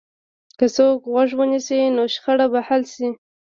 که څوک غوږ ونیسي، نو شخړه به حل شي.